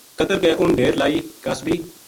کتر کے اُن ڈھیر لائی قاصبی